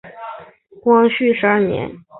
王竹怀生于清朝光绪十二年。